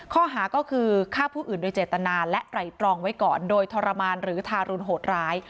ข้อหาก็คือฆ่าผู้อื่นโดยเจตนาและไตรตรองไว้ก่อนโดยทรมานหรือทารุณโหดร้าย